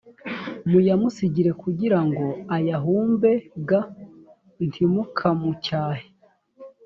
muyamusigire kugira ngo ayahumbe g ntimukamucyahe